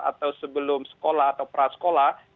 atau sebelum sekolah atau prasekolah